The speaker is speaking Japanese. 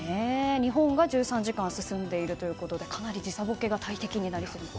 日本が１３時間進んでいるということでかなり時差ボケが大敵になりそうです。